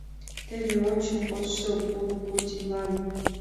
— Теве ончо: кодшо полугодийлан.